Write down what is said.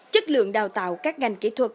chất lượng đào tạo các ngành kỹ thuật